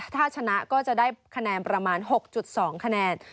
ถ้าชนะก็จะได้คะแนนประมาณ๖๒คะแนน